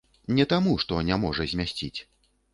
Не таму, што не можа змясціць.